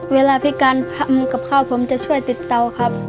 เวลาพี่การทำกับข้าวผมจะช่วยติดเตาครับ